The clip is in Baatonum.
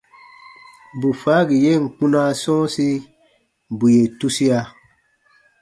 Bù faagi yen kpunaa sɔ̃ɔsi, bù yè tusia.